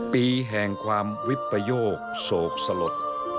ปีแห่งความวิปโยคโศกสลด